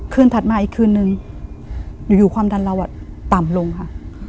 ถัดมาอีกคืนนึงอยู่ความดันเราต่ำลงค่ะ